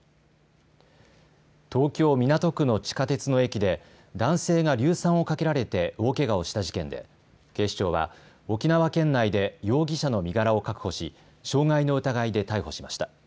東京港区の地下鉄の駅で男性が硫酸をかけられて大けがをした事件で警視庁は沖縄県内で容疑者の身柄を確保し、傷害の疑いで逮捕しました。